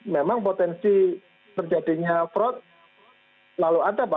memang potensi terjadinya fraud lalu ada pak